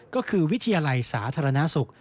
ก็คือวิทยาลัยสาธารณสุข